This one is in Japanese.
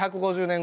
１５０年。